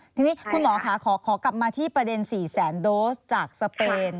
ทีนี้คุณหมอค่ะขอกลับมาที่ประเด็น๔แสนโดสจากสเปน